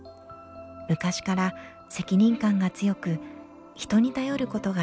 昔から責任感が強く人に頼ることが苦手。